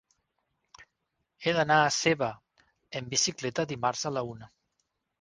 He d'anar a Seva amb bicicleta dimarts a la una.